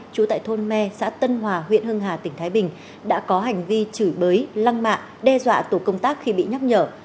trú tại thôn me xã tân hòa huyện hưng hà tỉnh thái bình đã có hành vi chửi bới lăng mạ đe dọa tổ công tác khi bị nhắc nhở